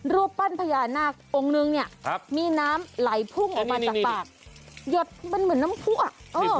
รูปปั้นพญานาคองค์หนึ่งมีน้ำไหลพุ่งออกมาจากปาก